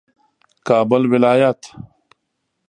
کابل ولایت